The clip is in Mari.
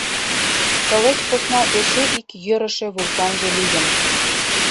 Тылеч посна эше ик йӧрышӧ вулканже лийын.